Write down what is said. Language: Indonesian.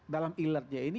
dalam ilatnya ini